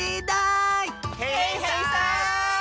へいへいさん！